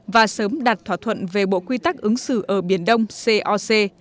và sớm đạt thỏa thuận về bộ quy tắc ứng xử ở biển đông coc